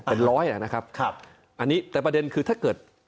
เป็นร้อยนะครับครับอันนี้แต่ประเด็นคือถ้าเกิด